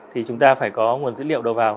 thì chúng ta phải có nguồn dữ liệu đầu vào